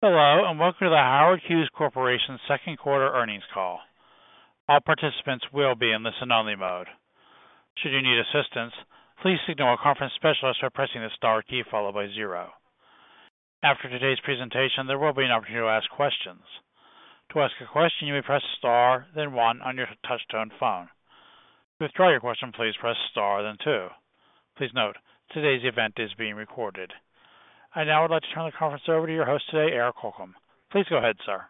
Hello, and welcome to The Howard Hughes Corporation's second quarter earnings call. All participants will be in listen only mode. Should you need assistance, please signal a conference specialist by pressing the star key followed by zero. After today's presentation, there will be an opportunity to ask questions. To ask a question, you may press star, then one on your touch-tone phone. To withdraw your question, please press star, then two. Please note, today's event is being recorded. I'd now like to turn the conference over to your host today, Eric Holcomb. Please go ahead, sir.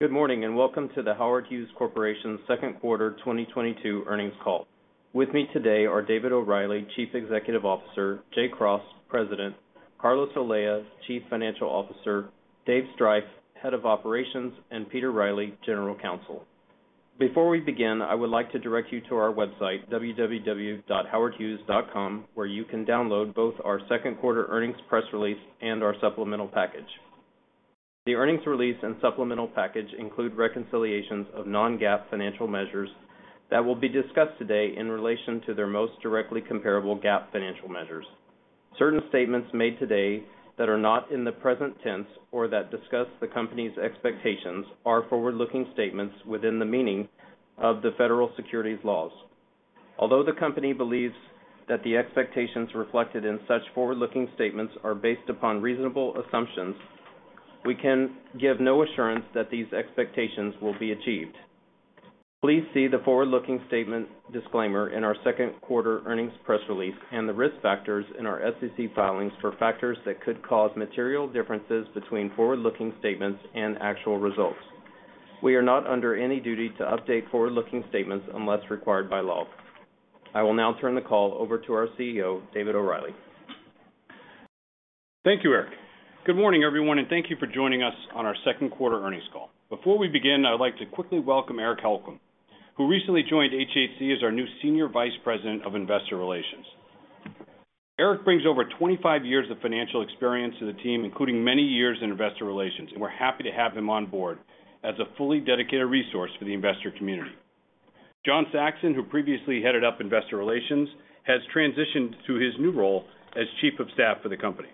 Good morning, and welcome to the Howard Hughes Corporation's second quarter 2022 earnings call. With me today are David O'Reilly, Chief Executive Officer, Jay Cross, President, Carlos Olea, Chief Financial Officer, Dave Striph, Head of Operations, and Peter Riley, General Counsel. Before we begin, I would like to direct you to our website www.howardhughes.com, where you can download both our second quarter earnings press release and our supplemental package. The earnings release and supplemental package include reconciliations of non-GAAP financial measures that will be discussed today in relation to their most directly comparable GAAP financial measures. Certain statements made today that are not in the present tense or that discuss the company's expectations are forward-looking statements within the meaning of the federal securities laws. Although the company believes that the expectations reflected in such forward-looking statements are based upon reasonable assumptions, we can give no assurance that these expectations will be achieved. Please see the forward-looking statement disclaimer in our second quarter earnings press release and the risk factors in our SEC filings for factors that could cause material differences between forward-looking statements and actual results. We are not under any duty to update forward-looking statements unless required by law. I will now turn the call over to our CEO, David O'Reilly. Thank you, Eric. Good morning, everyone, and thank you for joining us on our second quarter earnings call. Before we begin, I would like to quickly welcome Eric Holcomb, who recently joined HHC as our new Senior Vice President of Investor Relations. Eric brings over 25 years of financial experience to the team, including many years in investor relations, and we're happy to have him on board as a fully dedicated resource for the investor community. John Saxon, who previously headed up investor relations, has transitioned to his new role as Chief of Staff for the company.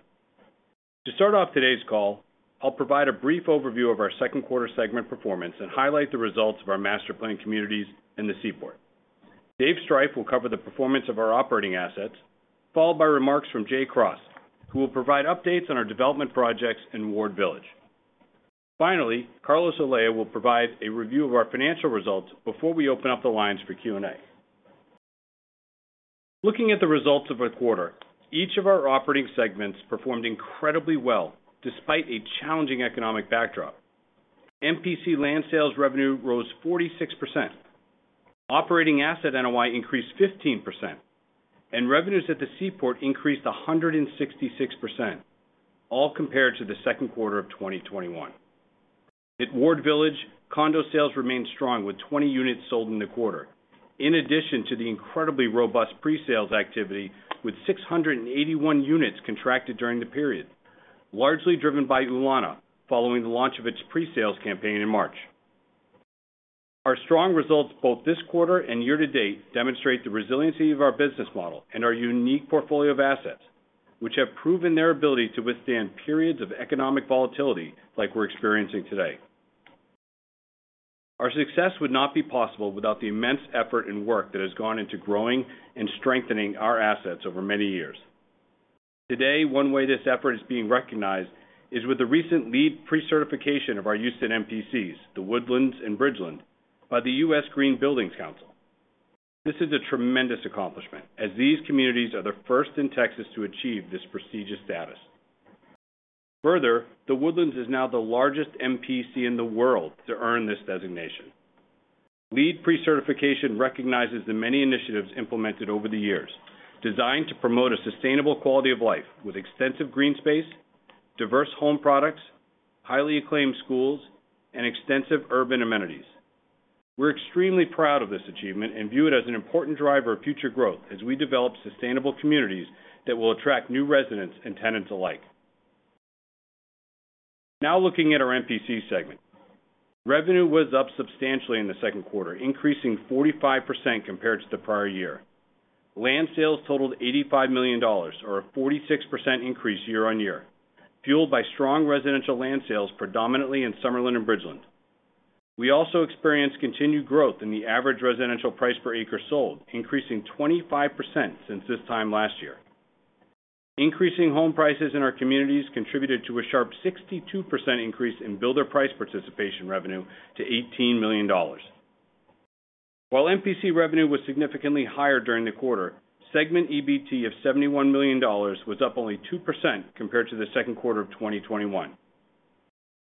To start off today's call, I'll provide a brief overview of our second quarter segment performance and highlight the results of our master plan communities and the Seaport. Dave Striph will cover the performance of our operating assets, followed by remarks from Jay Cross, who will provide updates on our development projects in Ward Village. Finally, Carlos Olea will provide a review of our financial results before we open up the lines for Q&A. Looking at the results of our quarter, each of our operating segments performed incredibly well despite a challenging economic backdrop. MPC land sales revenue rose 46%. Operating asset NOI increased 15%, and revenues at the Seaport increased 166%, all compared to the second quarter of 2021. At Ward Village, condo sales remained strong with 20 units sold in the quarter. In addition to the incredibly robust presales activity with 681 units contracted during the period, largely driven by Ulana following the launch of its presales campaign in March. Our strong results both this quarter and year-to-date demonstrate the resiliency of our business model and our unique portfolio of assets, which have proven their ability to withstand periods of economic volatility like we're experiencing today. Our success would not be possible without the immense effort and work that has gone into growing and strengthening our assets over many years. Today, one way this effort is being recognized is with the recent LEED precertification of our Houston MPCs, The Woodlands and Bridgeland, by the U.S. Green Building Council. This is a tremendous accomplishment as these communities are the first in Texas to achieve this prestigious status. Further, The Woodlands is now the largest MPC in the world to earn this designation. LEED precertification recognizes the many initiatives implemented over the years, designed to promote a sustainable quality of life with extensive green space, diverse home products, highly acclaimed schools, and extensive urban amenities. We're extremely proud of this achievement and view it as an important driver of future growth as we develop sustainable communities that will attract new residents and tenants alike. Now looking at our MPC segment. Revenue was up substantially in the second quarter, increasing 45% compared to the prior year. Land sales totaled $85 million, or a 46% increase year-over-year, fueled by strong residential land sales, predominantly in Summerlin and Bridgeland. We also experienced continued growth in the average residential price per acre sold, increasing 25% since this time last year. Increasing home prices in our communities contributed to a sharp 62% increase in builder price participation revenue to $18 million. While MPC revenue was significantly higher during the quarter, segment EBT of $71 million was up only 2% compared to the second quarter of 2021.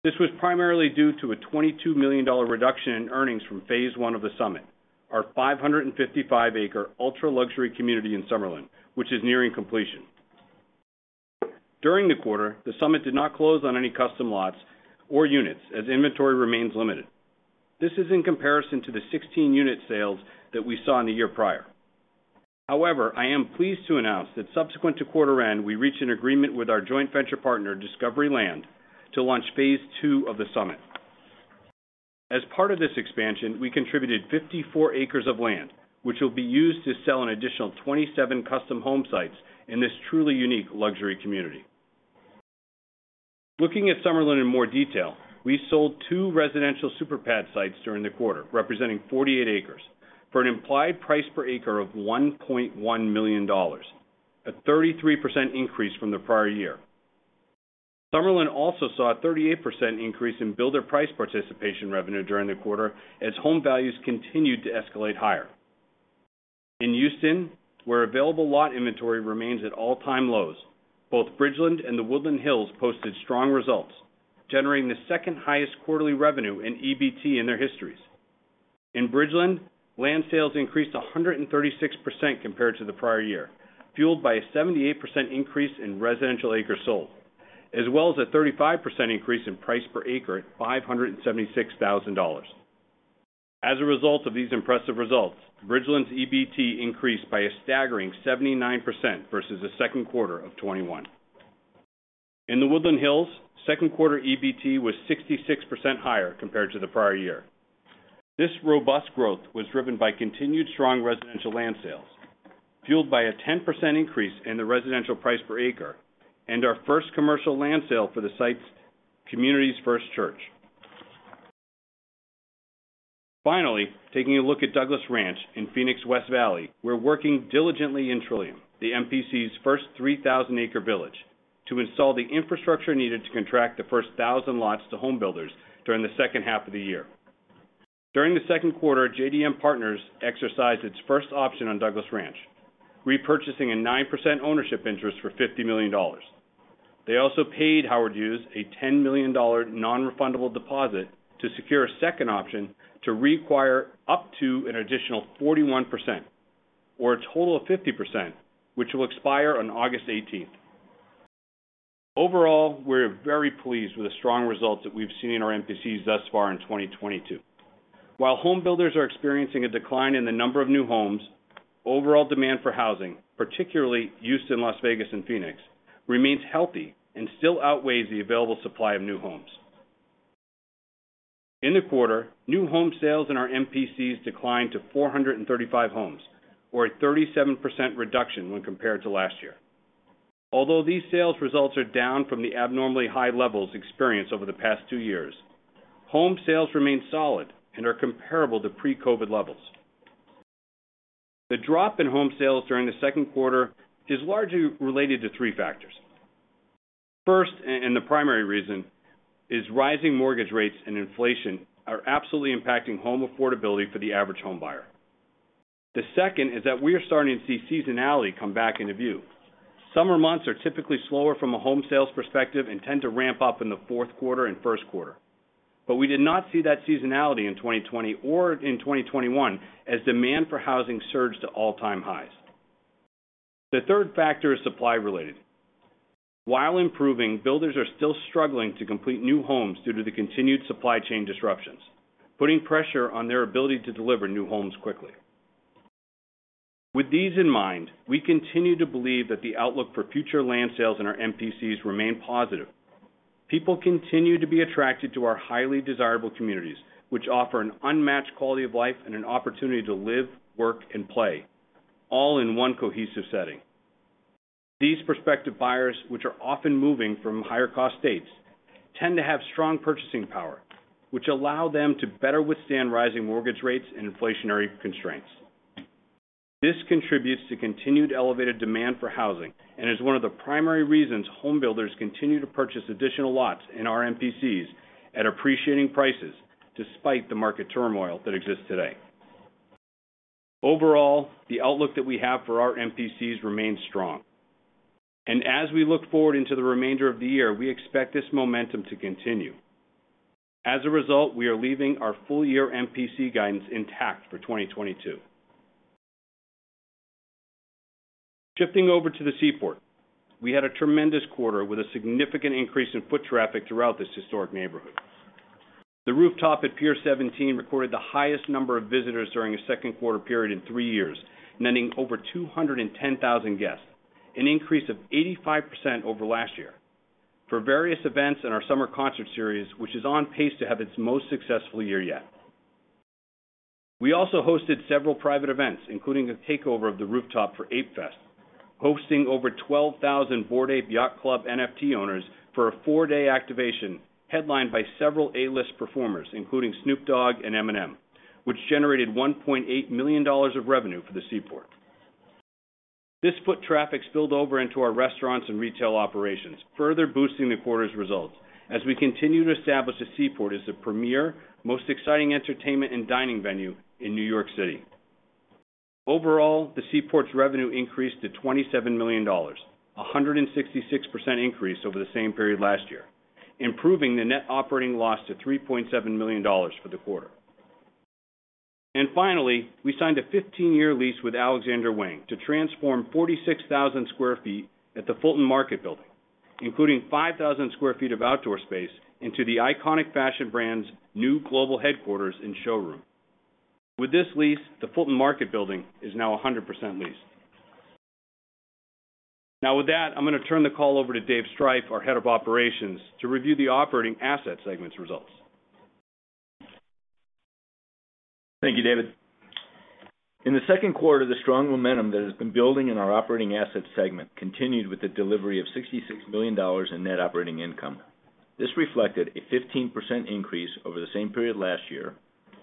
This was primarily due to a $22 million reduction in earnings from Phase 1 of The Summit, our 555-acre ultra-luxury community in Summerlin, which is nearing completion. During the quarter, The Summit did not close on any custom lots or units as inventory remains limited. This is in comparison to the 16 unit sales that we saw in the year prior. However, I am pleased to announce that subsequent to quarter end, we reached an agreement with our joint venture partner, Discovery Land Company, to launch Phase 2 of The Summit. As part of this expansion, we contributed 54 acres of land, which will be used to sell an additional 27 custom home sites in this truly unique luxury community. Looking at Summerlin in more detail, we sold two residential superpad sites during the quarter, representing 48 acres for an implied price per acre of $1.1 million, a 33% increase from the prior year. Summerlin also saw a 38% increase in builder price participation revenue during the quarter as home values continued to escalate higher. In Houston, where available lot inventory remains at all-time lows, both Bridgeland and The Woodlands posted strong results, generating the second highest quarterly revenue in EBT in their histories. In Bridgeland, land sales increased 136% compared to the prior year, fueled by a 78% increase in residential acres sold, as well as a 35% increase in price per acre at $576,000. As a result of these impressive results, Bridgeland's EBT increased by a staggering 79% versus the second quarter of 2021. In The Woodlands, second quarter EBT was 66% higher compared to the prior year. This robust growth was driven by continued strong residential land sales, fueled by a 10% increase in the residential price per acre and our first commercial land sale for the site's community's first church. Finally, taking a look at Douglas Ranch in Phoenix's West Valley, we're working diligently in Trillium, the MPC's first 3,000-acre village, to install the infrastructure needed to contract the first 1,000 lots to home builders during the second half of the year. During the second quarter, JDM Partners exercised its first option on Douglas Ranch, repurchasing a 9% ownership interest for $50 million. They also paid Howard Hughes a $10 million non-refundable deposit to secure a second option to require up to an additional 41% or a total of 50%, which will expire on August eighteenth. Overall, we're very pleased with the strong results that we've seen in our MPCs thus far in 2022. While home builders are experiencing a decline in the number of new homes, overall demand for housing, particularly Houston, Las Vegas, and Phoenix, remains healthy and still outweighs the available supply of new homes. In the quarter, new home sales in our MPCs declined to 435 homes or a 37% reduction when compared to last year. Although these sales results are down from the abnormally high levels experienced over the past two years, home sales remain solid and are comparable to pre-COVID levels. The drop in home sales during the second quarter is largely related to three factors. First, and the primary reason, is rising mortgage rates and inflation are absolutely impacting home affordability for the average home buyer. The second is that we are starting to see seasonality come back into view. Summer months are typically slower from a home sales perspective and tend to ramp up in the fourth quarter and first quarter. We did not see that seasonality in 2020 or in 2021 as demand for housing surged to all-time highs. The third factor is supply related. While improving, builders are still struggling to complete new homes due to the continued supply chain disruptions, putting pressure on their ability to deliver new homes quickly. With these in mind, we continue to believe that the outlook for future land sales in our MPCs remain positive. People continue to be attracted to our highly desirable communities, which offer an unmatched quality of life and an opportunity to live, work, and play, all in one cohesive setting. These prospective buyers, which are often moving from higher cost states, tend to have strong purchasing power, which allow them to better withstand rising mortgage rates and inflationary constraints. This contributes to continued elevated demand for housing and is one of the primary reasons home builders continue to purchase additional lots in our MPCs at appreciating prices despite the market turmoil that exists today. Overall, the outlook that we have for our MPCs remains strong. As we look forward into the remainder of the year, we expect this momentum to continue. As a result, we are leaving our full year MPC guidance intact for 2022. Shifting over to the Seaport, we had a tremendous quarter with a significant increase in foot traffic throughout this historic neighborhood. The Rooftop at Pier 17 recorded the highest number of visitors during a second quarter period in three years, netting over 210,000 guests, an increase of 85% over last year, for various events in our summer concert series, which is on pace to have its most successful year yet. We also hosted several private events, including a takeover of The Rooftop for ApeFest, hosting over 12,000 Bored Ape Yacht Club NFT owners for a four-day activation headlined by several A-list performers, including Snoop Dogg and Eminem, which generated $1.8 million of revenue for the Seaport. This foot traffic spilled over into our restaurants and retail operations, further boosting the quarter's results as we continue to establish the Seaport as the premier, most exciting entertainment and dining venue in New York City. Overall, the Seaport's revenue increased to $27 million, a 166% increase over the same period last year, improving the net operating loss to $3.7 million for the quarter. Finally, we signed a 15-year lease with Alexander Wang to transform 46,000 sq ft at the Fulton Market Building, including 5,000 sq ft of outdoor space into the iconic fashion brand's new global headquarters and showroom. With this lease, the Fulton Market Building is now 100% leased. Now with that, I'm gonna turn the call over to David Striph, our Head of Operations, to review the operating asset segments results. Thank you, David. In the second quarter, the strong momentum that has been building in our operating asset segment continued with the delivery of $66 million in net operating income. This reflected a 15% increase over the same period last year,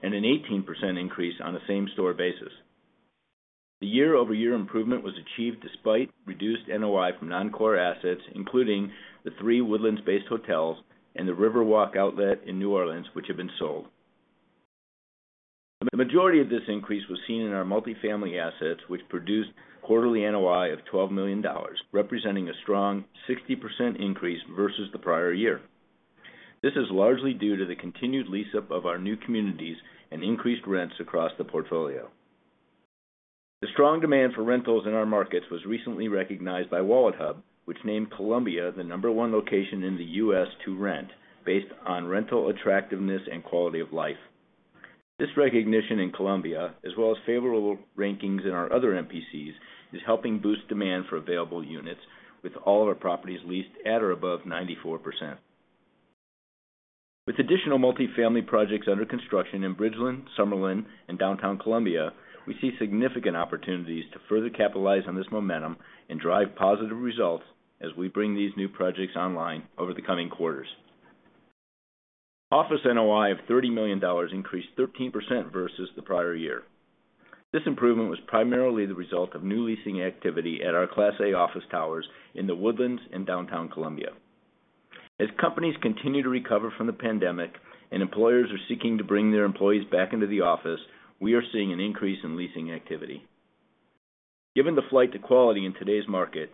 and an 18% increase on the same store basis. The year-over-year improvement was achieved despite reduced NOI from non-core assets, including the three Woodlands-based hotels and The Outlet Collection at Riverwalk in New Orleans, which have been sold. The majority of this increase was seen in our multi-family assets, which produced quarterly NOI of $12 million, representing a strong 60% increase versus the prior year. This is largely due to the continued lease up of our new communities and increased rents across the portfolio. The strong demand for rentals in our markets was recently recognized by WalletHub, which named Columbia the number one location in the U.S. to rent based on rental attractiveness and quality of life. This recognition in Columbia, as well as favorable rankings in our other MPCs, is helping boost demand for available units with all of our properties leased at or above 94%. With additional multifamily projects under construction in Bridgeland, Summerlin, and Downtown Columbia, we see significant opportunities to further capitalize on this momentum and drive positive results as we bring these new projects online over the coming quarters. Office NOI of $30 million increased 13% versus the prior year. This improvement was primarily the result of new leasing activity at our class A office towers in the Woodlands in Downtown Columbia. As companies continue to recover from the pandemic and employers are seeking to bring their employees back into the office, we are seeing an increase in leasing activity. Given the flight to quality in today's market,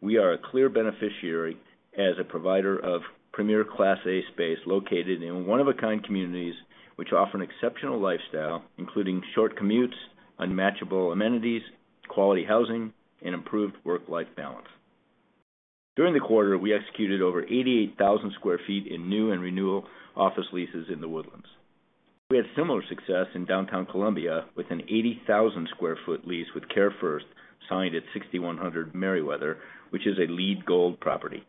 we are a clear beneficiary as a provider of premier Class A space located in one-of-a-kind communities which offer an exceptional lifestyle, including short commutes, unmatchable amenities, quality housing, and improved work-life balance. During the quarter, we executed over 88,000 sq ft in new and renewal office leases in the Woodlands. We had similar success in Downtown Columbia with an 80,000 sq ft lease with CareFirst, signed at 6100 Merriweather Drive, which is a LEED Gold property.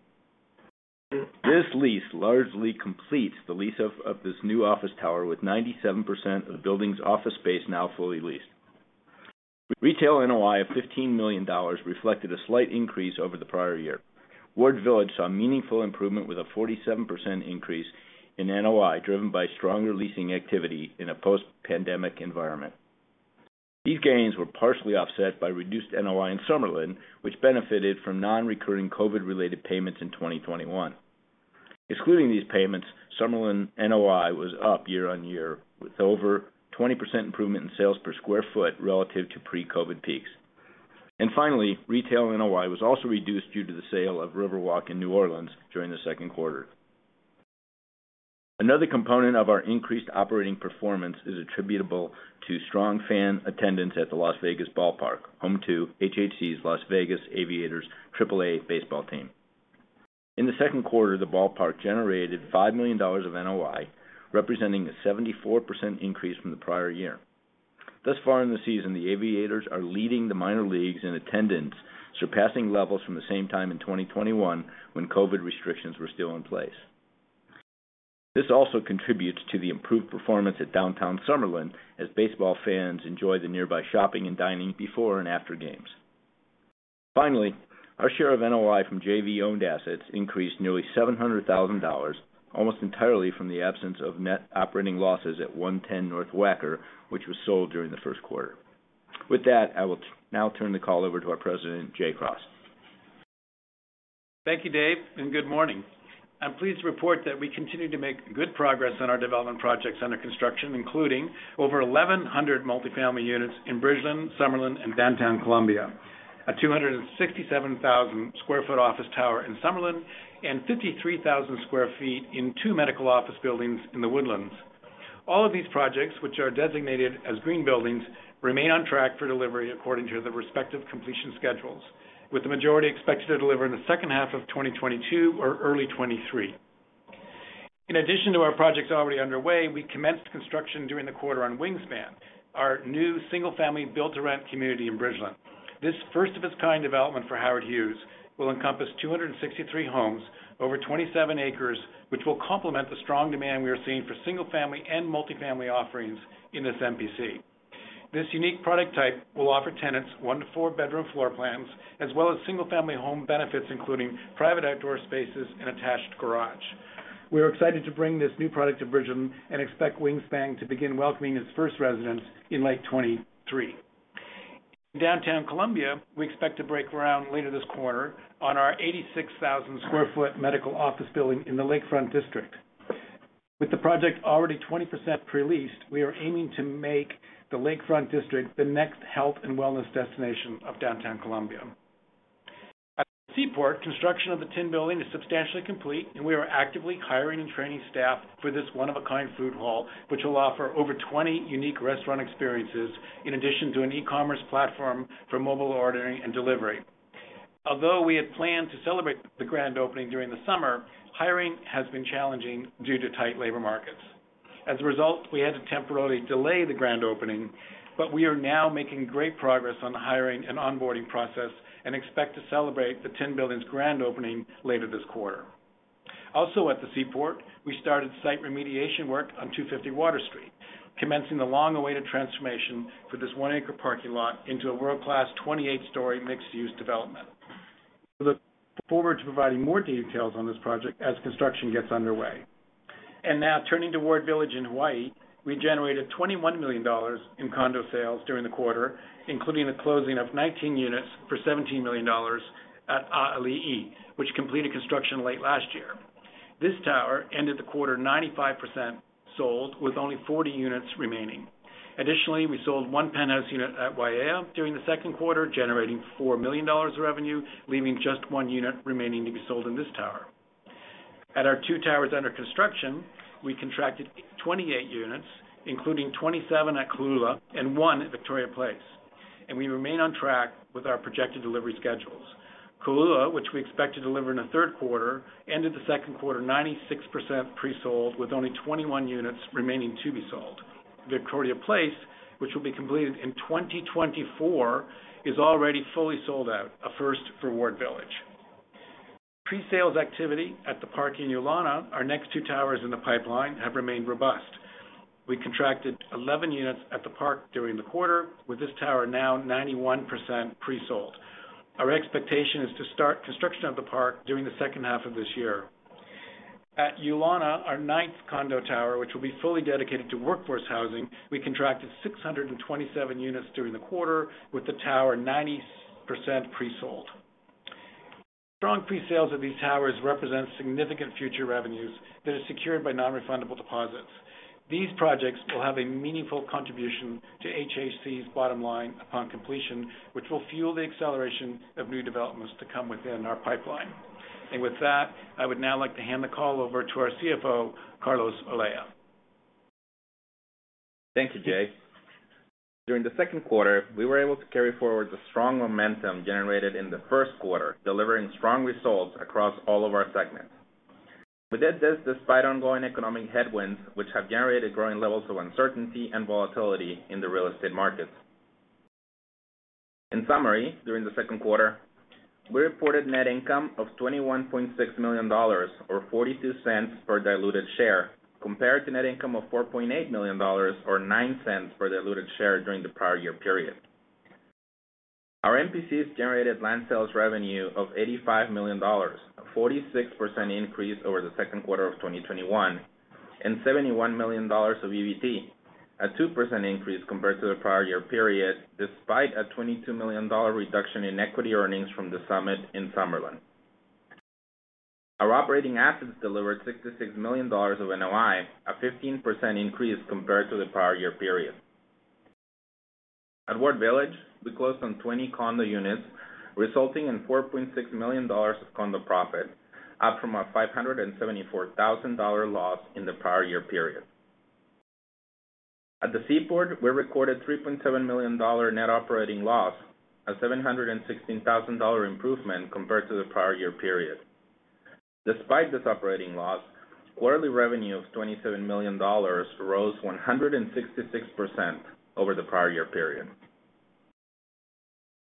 This lease largely completes the lease of this new office tower with 97% of the building's office space now fully leased. Retail NOI of $15 million reflected a slight increase over the prior year. Ward Village saw a meaningful improvement with a 47% increase in NOI, driven by stronger leasing activity in a post-pandemic environment. These gains were partially offset by reduced NOI in Summerlin, which benefited from non-recurring COVID-related payments in 2021. Excluding these payments, Summerlin NOI was up year-over-year, with over 20% improvement in sales per square foot relative to pre-COVID peaks. Finally, retail NOI was also reduced due to the sale of Riverwalk in New Orleans during the second quarter. Another component of our increased operating performance is attributable to strong fan attendance at the Las Vegas Ballpark, home to HHC's Las Vegas Aviators AAA baseball team. In the second quarter, the ballpark generated $5 million of NOI, representing a 74% increase from the prior year. Thus far in the season, the Aviators are leading the minor leagues in attendance, surpassing levels from the same time in 2021 when COVID restrictions were still in place. This also contributes to the improved performance at Downtown Summerlin as baseball fans enjoy the nearby shopping and dining before and after games. Finally, our share of NOI from JV-owned assets increased nearly $700,000, almost entirely from the absence of net operating losses at 110 North Wacker, which was sold during the first quarter. With that, I will now turn the call over to our President, Jay Cross. Thank you, Dave, and good morning. I'm pleased to report that we continue to make good progress on our development projects under construction, including over 1,100 multi-family units in Bridgeland, Summerlin, and Downtown Columbia, a 267,000 sq ft office tower in Summerlin and 53,000 sq ft in two medical office buildings in The Woodlands. All of these projects, which are designated as green buildings, remain on track for delivery according to the respective completion schedules, with the majority expected to deliver in the second half of 2022 or early 2023. In addition to our projects already underway, we commenced construction during the quarter on Wingspan, our new single-family build-to-rent community in Bridgeland. This first of its kind development for Howard Hughes will encompass 263 homes over 27 acres, which will complement the strong demand we are seeing for single-family and multi-family offerings in this MPC. This unique product type will offer tenants one-four bedroom floor plans, as well as single-family home benefits, including private outdoor spaces and attached garage. We are excited to bring this new product to Bridgeland and expect Wingspan to begin welcoming its first residents in late 2023. In Downtown Columbia, we expect to break ground later this quarter on our 86,000 sq ft medical office building in the Lakefront District. With the project already 20% pre-leased, we are aiming to make the Lakefront District the next health and wellness destination of Downtown Columbia. At Seaport, construction of the Tin Building is substantially complete, and we are actively hiring and training staff for this one-of-a-kind food hall, which will offer over 20 unique restaurant experiences in addition to an e-commerce platform for mobile ordering and delivery. Although we had planned to celebrate the grand opening during the summer, hiring has been challenging due to tight labor markets. As a result, we had to temporarily delay the grand opening, but we are now making great progress on the hiring and onboarding process and expect to celebrate the Tin Building's grand opening later this quarter. Also, at the Seaport, we started site remediation work on 250 Water Street, commencing the long-awaited transformation for this 1-acre parking lot into a world-class story mixed-use development. We look forward to providing more details on this project as construction gets underway. Now turning to Ward Village in Hawaii, we generated $21 million in condo sales during the quarter, including the closing of 19 units for $17 million at ʻAʻaliʻi, which completed construction late last year. This tower ended the quarter 95% sold, with only 40 units remaining. Additionally, we sold one penthouse unit at Waiʻea during the second quarter, generating $4 million of revenue, leaving just one unit remaining to be sold in this tower. At our two towers under construction, we contracted 28 units, including 27 at Kōʻula and one at Victoria Place, and we remain on track with our projected delivery schedules. Kōʻula, which we expect to deliver in the third quarter, ended the second quarter 96% pre-sold, with only 21 units remaining to be sold. Victoria Place, which will be completed in 2024, is already fully sold out, a first for Ward Village. Presales activity at The Park and Ulana, our next two towers in the pipeline, have remained robust. We contracted 11 units at The Park during the quarter, with this tower now 91% pre-sold. Our expectation is to start construction of The Park during the second half of this year. At Ulana, our ninth condo tower, which will be fully dedicated to workforce housing, we contracted 627 units during the quarter, with the tower 90% pre-sold. Strong presales of these towers represents significant future revenues that are secured by nonrefundable deposits. These projects will have a meaningful contribution to HHC's bottom line upon completion, which will fuel the acceleration of new developments to come within our pipeline. With that, I would now like to hand the call over to our CFO, Carlos Olea. Thank you, Jay. During the second quarter, we were able to carry forward the strong momentum generated in the first quarter, delivering strong results across all of our segments. We did this despite ongoing economic headwinds, which have generated growing levels of uncertainty and volatility in the real estate markets. In summary, during the second quarter, we reported net income of $21.6 million or $0.42 per diluted share, compared to net income of $4.8 million or $0.09 per diluted share during the prior year period. Our MPCs generated land sales revenue of $85 million, a 46% increase over the second quarter of 2021, and $71 million of EBT, a 2% increase compared to the prior year despite a $22 million reduction in equity earnings from The Summit in Summerlin. Our operating assets delivered $66 million of NOI, a 15% increase compared to the prior year period. At Ward Village, we closed on 20 condo units, resulting in $4.6 million of condo profit, up from a $574,000 loss in the prior year period. At the Seaport, we recorded $3.7 million net operating loss, a $716,000 improvement compared to the prior year period. Despite this operating loss, quarterly revenue of $27 million rose 166% over the prior year period.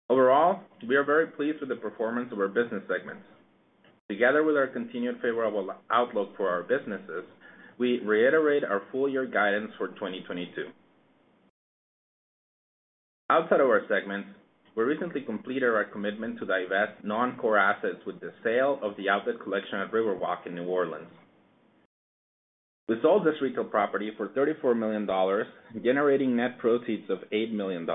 Overall, we are very pleased with the performance of our business segments. Together with our continued favorable outlook for our businesses, we reiterate our full year guidance for 2022. Outside of our segments, we recently completed our commitment to divest non-core assets with the sale of The Outlet Collection at Riverwalk in New Orleans. We sold this retail property for $34 million, generating net proceeds of $8 million.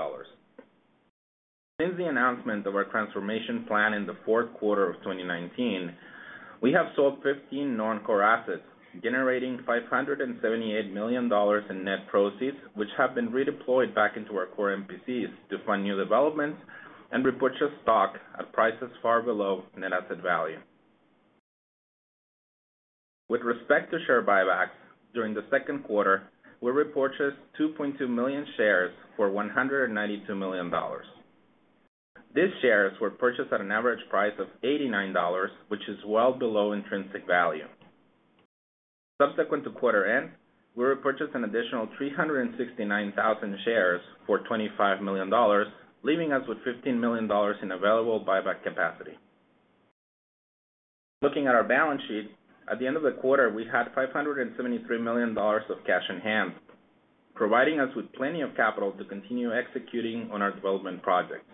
Since the announcement of our transformation plan in the fourth quarter of 2019, we have sold 15 non-core assets, generating $578 million in net proceeds, which have been redeployed back into our core MPCs to fund new developments and repurchase stock at prices far below net asset value. With respect to share buybacks, during the second quarter, we repurchased 2.2 million shares for $192 million. These shares were purchased at an average price of $89, which is well below intrinsic value. Subsequent to quarter end, we repurchased an additional 369,000 shares for $25 million, leaving us with $15 million in available buyback capacity. Looking at our balance sheet, at the end of the quarter, we had $573 million of cash on hand, providing us with plenty of capital to continue executing on our development projects.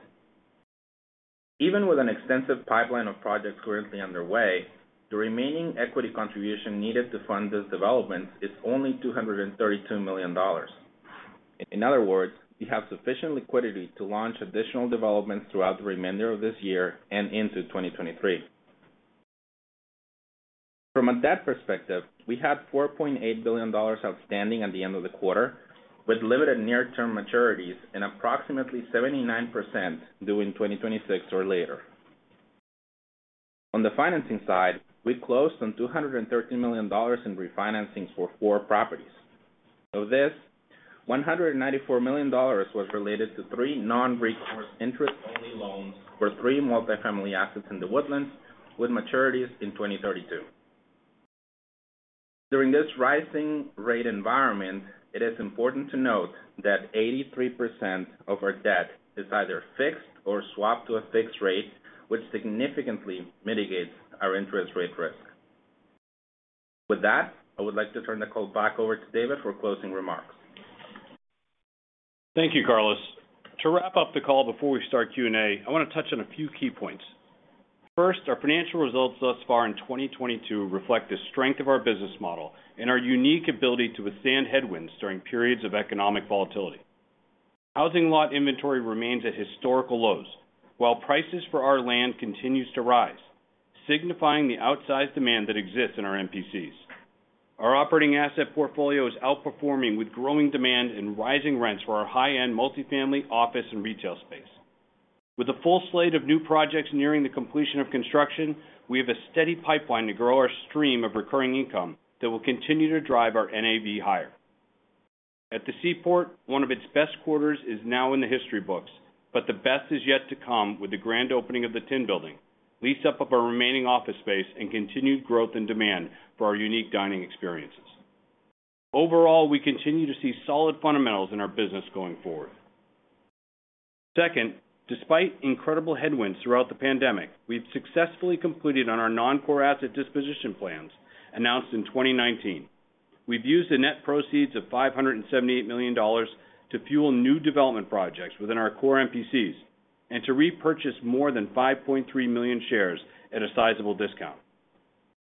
Even with an extensive pipeline of projects currently underway, the remaining equity contribution needed to fund this development is only $232 million. In other words, we have sufficient liquidity to launch additional developments throughout the remainder of this year and into 2023. From a debt perspective, we had $4.8 billion outstanding at the end of the quarter, with limited near-term maturities and approximately 79% due in 2026 or later. On the financing side, we closed on $213 million in refinancing for four properties. Of this, $194 million was related to three non-recourse interest-only loans for three multi-family assets in The Woodlands with maturities in 2032. During this rising rate environment, it is important to note that 83% of our debt is either fixed or swapped to a fixed rate, which significantly mitigates our interest rate risk. With that, I would like to turn the call back over to David for closing remarks. Thank you, Carlos. To wrap up the call before we start Q&A, I want to touch on a few key points. First, our financial results thus far in 2022 reflect the strength of our business model and our unique ability to withstand headwinds during periods of economic volatility. Housing lot inventory remains at historical lows, while prices for our land continues to rise, signifying the outsized demand that exists in our MPCs. Our operating asset portfolio is outperforming with growing demand and rising rents for our high-end multi-family office and retail space. With a full slate of new projects nearing the completion of construction, we have a steady pipeline to grow our stream of recurring income that will continue to drive our NAV higher. At the Seaport, one of its best quarters is now in the history books, but the best is yet to come with the grand opening of the Tin Building, lease up of our remaining office space, and continued growth in demand for our unique dining experiences. Overall, we continue to see solid fundamentals in our business going forward. Second, despite incredible headwinds throughout the pandemic, we've successfully completed our non-core asset disposition plans announced in 2019. We've used the net proceeds of $578 million to fuel new development projects within our core MPCs and to repurchase more than 5.3 million shares at a sizable discount,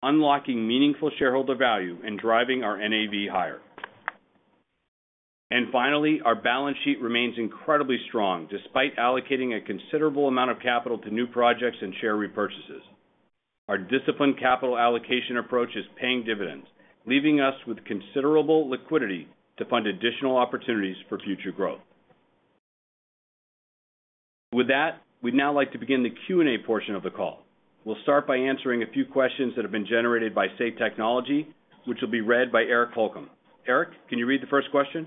unlocking meaningful shareholder value and driving our NAV higher. Finally, our balance sheet remains incredibly strong despite allocating a considerable amount of capital to new projects and share repurchases. Our disciplined capital allocation approach is paying dividends, leaving us with considerable liquidity to fund additional opportunities for future growth. With that, we'd now like to begin the Q&A portion of the call. We'll start by answering a few questions that have been generated by Say Technologies, which will be read by Eric Holcomb. Eric, can you read the first question?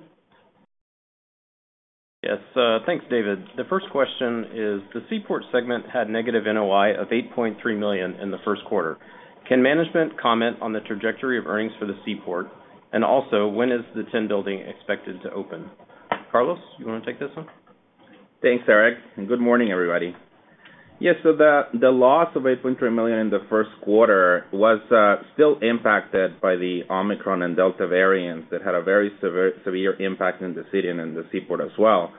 Yes. Thanks, David. The first question is, the Seaport segment had negative NOI of $8.3 million in the first quarter. Can management comment on the trajectory of earnings for the Seaport? And also, when is the Tin Building expected to open? Carlos, you wanna take this one? Thanks, Eric, and good morning, everybody. Yes, the loss of $8.3 million in the first quarter was still impacted by the Omicron and Delta variants that had a very severe impact in the city and in the Seaport as well.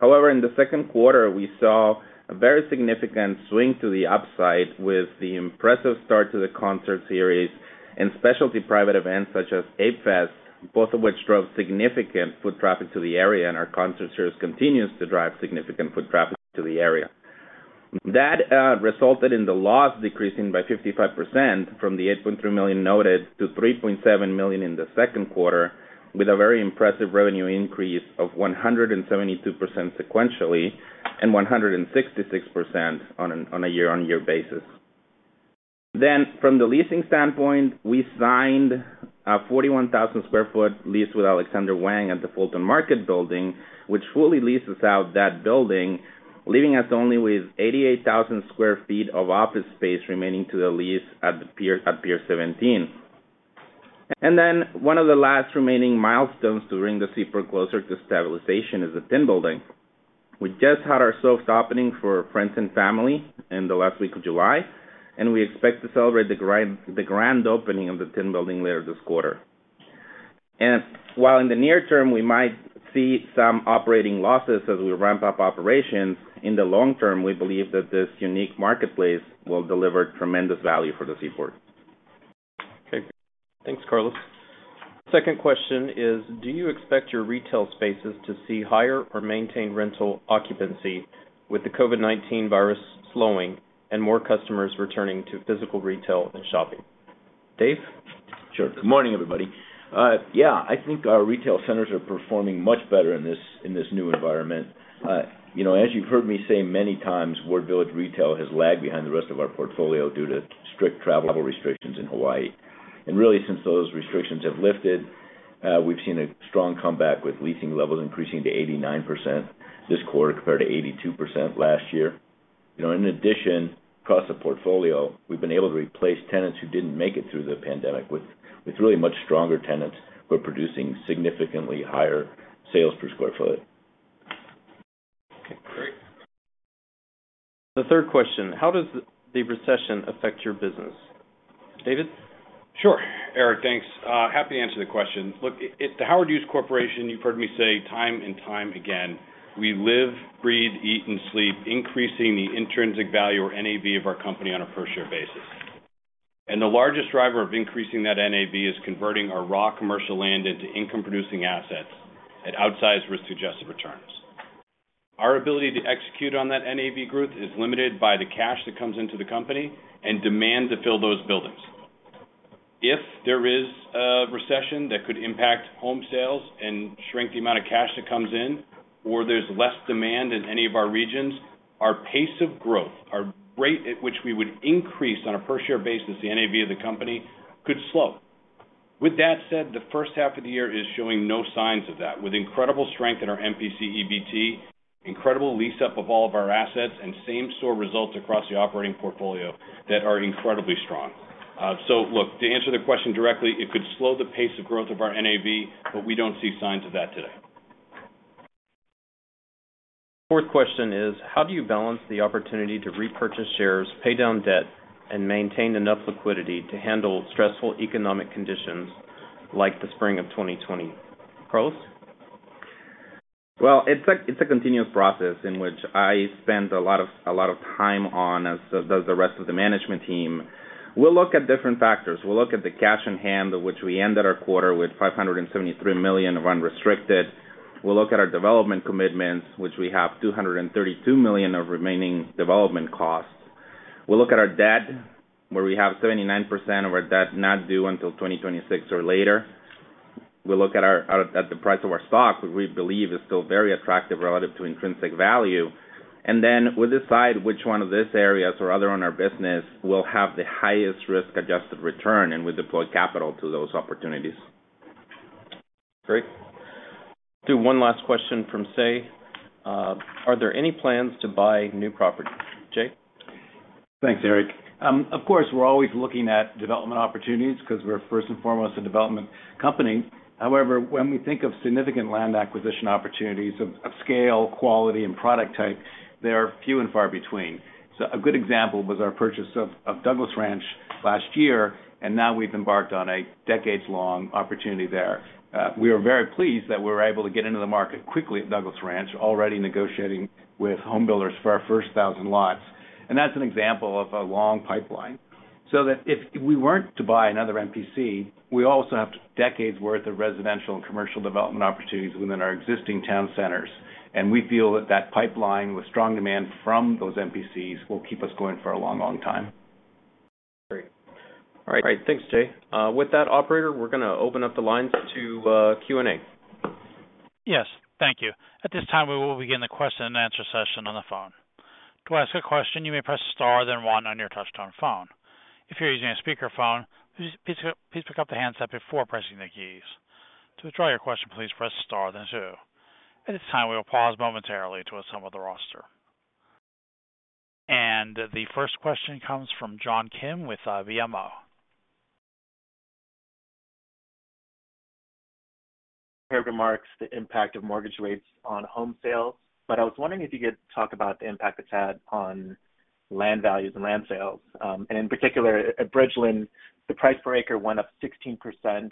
However, in the second quarter, we saw a very significant swing to the upside with the impressive start to the concert series and specialty private events such as ApeFest, both of which drove significant foot traffic to the area, and our concert series continues to drive significant foot traffic to the area. That resulted in the loss decreasing by 55% from the $8.3 million noted to $3.7 million in the second quarter, with a very impressive revenue increase of 172% sequentially and 166% on a year-on-year basis. From the leasing standpoint, we signed a 41,000 sq ft lease with Alexander Wang at the Fulton Market Building, which fully leases out that building, leaving us only with 88,000 sq ft of office space remaining to the lease at the Pier, at Pier 17. One of the last remaining milestones to bring the Seaport closer to stabilization is the Tin Building. We just had our soft opening for friends and family in the last week of July, and we expect to celebrate the grand opening of the Tin Building later this quarter. While in the near term, we might see some operating losses as we ramp up operations, in the long term, we believe that this unique marketplace will deliver tremendous value for the Seaport. Okay. Thanks, Carlos. Second question is, do you expect your retail spaces to see higher or maintain rental occupancy with the COVID-19 virus slowing and more customers returning to physical retail and shopping? Dave? Sure. Good morning, everybody. Yeah, I think our retail centers are performing much better in this new environment. You know, as you've heard me say many times, Ward Village Retail has lagged behind the rest of our portfolio due to strict travel restrictions in Hawaii. Really, since those restrictions have lifted, we've seen a strong comeback, with leasing levels increasing to 89% this quarter compared to 82% last year. You know, in addition, across the portfolio, we've been able to replace tenants who didn't make it through the pandemic with really much stronger tenants who are producing significantly higher sales per square foot. Okay, great. The third question: How does the recession affect your business? David? Sure. Eric, thanks. Happy to answer the question. Look, at The Howard Hughes Corporation, you've heard me say time and time again, we live, breathe, eat, and sleep, increasing the intrinsic value or NAV of our company on a per share basis. The largest driver of increasing that NAV is converting our raw commercial land into income-producing assets at outsized risk-adjusted returns. Our ability to execute on that NAV growth is limited by the cash that comes into the company and demand to fill those buildings. If there is a recession that could impact home sales and shrink the amount of cash that comes in. Or there's less demand in any of our regions, our pace of growth, our rate at which we would increase on a per share basis, the NAV of the company could slow. With that said, the first half of the year is showing no signs of that with incredible strength in our MPC EBT, incredible lease up of all of our assets, and same store results across the operating portfolio that are incredibly strong. Look, to answer the question directly, it could slow the pace of growth of our NAV, but we don't see signs of that today. Fourth question is, how do you balance the opportunity to repurchase shares, pay down debt, and maintain enough liquidity to handle stressful economic conditions like the spring of 2020? Carlos? Well, it's a continuous process in which I spend a lot of time on, as does the rest of the management team. We'll look at different factors. We'll look at the cash on hand, which we ended the quarter with $573 million of unrestricted. We'll look at our development commitments, which we have $232 million of remaining development costs. We'll look at our debt, where we have 79% of our debt not due until 2026 or later. We'll look at the price of our stock, which we believe is still very attractive relative to intrinsic value. Then we decide which one of these areas or other on our business will have the highest risk-adjusted return, and we deploy capital to those opportunities. Great. Do one last question from Say. Are there any plans to buy new property? Jay? Thanks, Eric. Of course, we're always looking at development opportunities because we're first and foremost a development company. However, when we think of significant land acquisition opportunities of scale, quality, and product type, they are few and far between. A good example was our purchase of Douglas Ranch last year, and now we've embarked on a decades-long opportunity there. We are very pleased that we were able to get into the market quickly at Douglas Ranch, already negotiating with homebuilders for our first 1,000 lots. That's an example of a long pipeline that if we weren't to buy another MPC, we also have decades worth of residential and commercial development opportunities within our existing town centers. We feel that that pipeline with strong demand from those MPCs will keep us going for a long, long time. Great. All right. Thanks, Jay. With that, operator, we're gonna open up the lines to Q&A. Yes. Thank you. At this time, we will begin the question-and-answer session on the phone. To ask a question, you may press star, then one on your touch-tone phone. If you're using a speakerphone, please pick up the handset before pressing the keys. To withdraw your question, please press star, then two. At this time, we will pause momentarily to assemble the roster. The first question comes from John Kim with BMO. Your remarks, the impact of mortgage rates on home sales, but I was wondering if you could talk about the impact it's had on land values and land sales. In particular at Bridgeland, the price per acre went up 16%,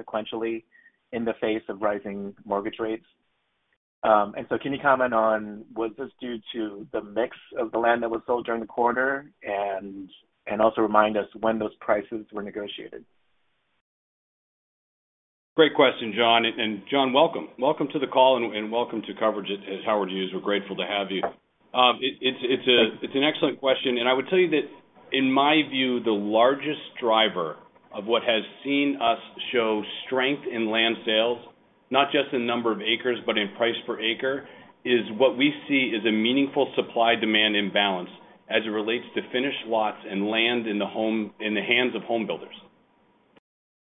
sequentially in the face of rising mortgage rates. Can you comment on was this due to the mix of the land that was sold during the quarter? Also remind us when those prices were negotiated. Great question, John. John, welcome. Welcome to the call and welcome to coverage at Howard Hughes. We're grateful to have you. It's an excellent question, and I would tell you that in my view, the largest driver of what has seen us show strength in land sales, not just in number of acres, but in price per acre, is what we see as a meaningful supply-demand imbalance as it relates to finished lots and land in the hands of home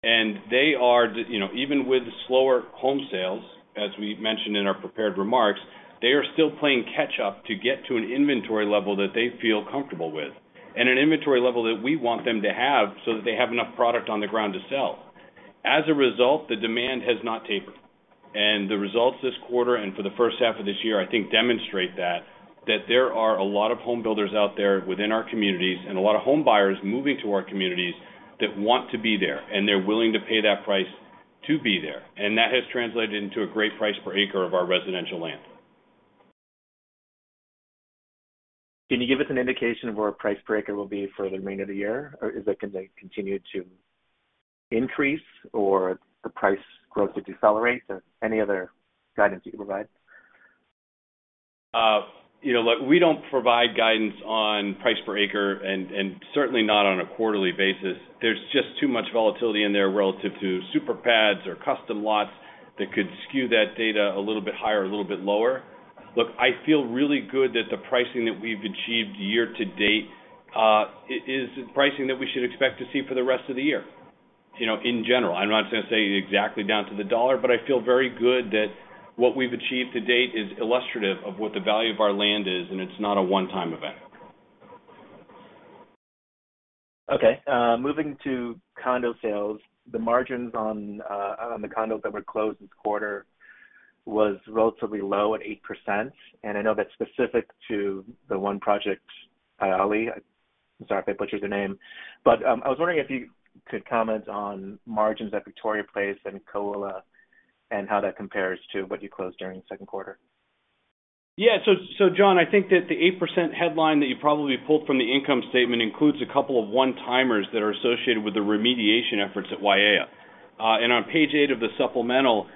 builders. They are, you know, even with slower home sales, as we mentioned in our prepared remarks, still playing catch up to get to an inventory level that they feel comfortable with, and an inventory level that we want them to have so that they have enough product on the ground to sell. As a result, the demand has not tapered. The results this quarter and for the first half of this year, I think demonstrate that there are a lot of home builders out there within our communities and a lot of home buyers moving to our communities that want to be there, and they're willing to pay that price to be there. That has translated into a great price per acre of our residential land. Can you give us an indication of where price per acre will be for the remainder of the year? Or is it gonna continue to increase or the price growth to decelerate? Any other guidance you can provide? You know, look, we don't provide guidance on price per acre, and certainly not on a quarterly basis. There's just too much volatility in there relative to super pads or custom lots that could skew that data a little bit higher or a little bit lower. Look, I feel really good that the pricing that we've achieved year-to-date is pricing that we should expect to see for the rest of the year, you know, in general. I'm not gonna say exactly down to the dollar, but I feel very good that what we've achieved to date is illustrative of what the value of our land is, and it's not a one-time event. Okay. Moving to condo sales, the margins on the condos that were closed this quarter was relatively low at 8%, and I know that's specific to the one project by ʻAʻaliʻi. I'm sorry if I butchered your name. I was wondering if you could comment on margins at Victoria Place and Kōʻula and how that compares to what you closed during the second quarter. Yeah. John, I think that the 8% headline that you probably pulled from the income statement includes a couple of one-timers that are associated with the remediation efforts at Wai' ea. On page eight of the supplemental,